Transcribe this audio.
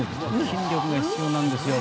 筋力が必要なんですよ。